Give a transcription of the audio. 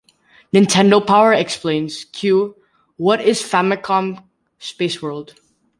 "Nintendo Power" explains: "Q: What is Famicom Space World?